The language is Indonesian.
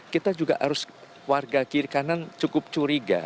kita juga harus warga kiri kanan cukup curiga